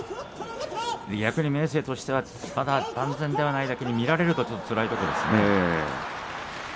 逆に明生としては万全ではないだけに見られると、つらいところですね。